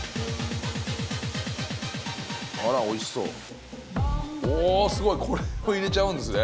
あらおいしそうおおっすごいこれも入れちゃうんですね